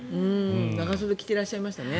長袖着ていらっしゃいましたね。